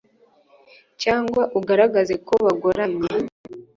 Cyangwa ugaragaze ko bagoramye